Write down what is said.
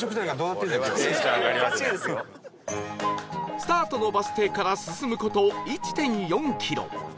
スタートのバス停から進む事 １．４ キロ